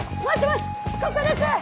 ここです！